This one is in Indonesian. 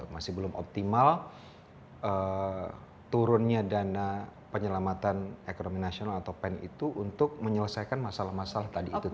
masih belum optimal turunnya dana penyelamatan ekonomi nasional atau pen itu untuk menyelesaikan masalah masalah tadi itu